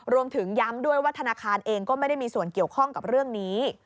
รวมถึงย้ำด้วยว่าธนาคารเองก็ไม่ได้มีส่วนเกี่ยวข้องกับเรื่องนี้